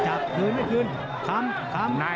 หยุ่นคำ